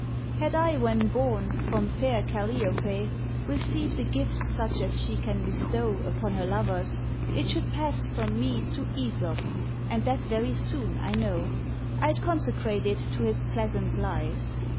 Had I when born, from fair Calliope Received a gift such as she can bestow Upon her lovers, it should pass from me To Æsop, and that very soon, I know; I'd consecrate it to his pleasant lies.